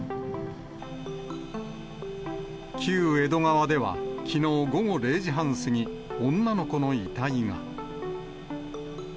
旧江戸川ではきのう午後０時半過ぎ、女の子の遺体が。